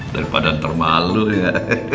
daripada termalu ya